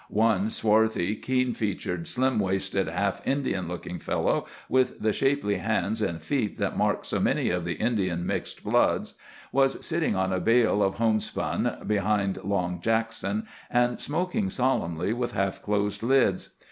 One swarthy, keen featured, slim waisted, half Indian looking fellow, with the shapely hands and feet that mark so many of the Indian mixed bloods, was sitting on a bale of homespun behind Long Jackson, and smoking solemnly with half closed lids.